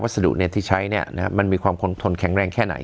วัสดุเนี่ยที่ใช้เนี่ยนะครับมันมีความคงทนแข็งแรงแค่ไหน